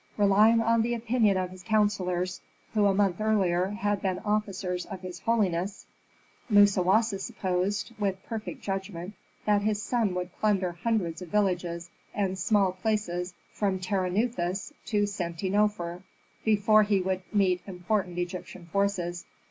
Relying on the opinion of his counsellors, who a month earlier had been officers of his holiness, Musawasa supposed, with perfect judgment, that his son would plunder hundreds of villages and small places from Terenuthis to Senti Nofer, before he would meet important Egyptian forces.